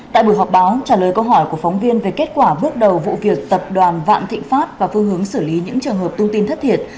tại buổi họp báo trả lời câu hỏi của phóng viên về kết quả bước đầu vụ việc tập đoàn vạn thịnh pháp và phương hướng xử lý những trường hợp tung tin thất thiệt